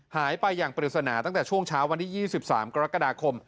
หายไปอย่างปริศนาตั้งแต่ช่วงเช้าวันที่๒๓กรกฎาคม